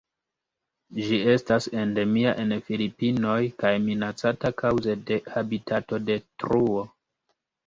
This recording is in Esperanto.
Ĝi estas endemia en Filipinoj kaj minacata kaŭze de habitatodetruo.